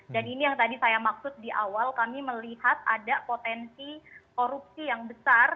dan ini yang tadi saya maksud di awal kami melihat ada potensi korupsi yang besar